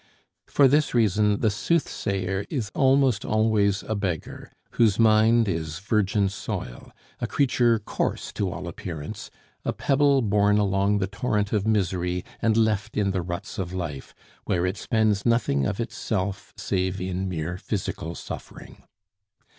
For this reason the soothsayer is almost always a beggar, whose mind is virgin soil, a creature coarse to all appearance, a pebble borne along the torrent of misery and left in the ruts of life, where it spends nothing of itself save in mere physical suffering.